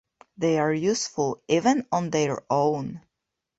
They are useful even on their own.